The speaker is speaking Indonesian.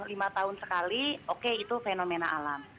lima tahun sekali oke itu fenomena alam